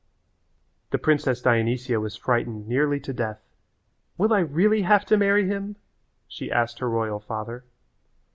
The princess Dionysia was frightened nearly to death. "Will I really have to marry him?" she asked her royal father.